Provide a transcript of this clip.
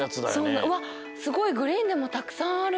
うわっすごいグリーンでもたくさんある！